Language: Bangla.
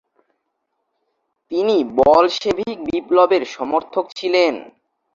তিনি বলশেভিক বিপ্লবের সমর্থক ছিলেন।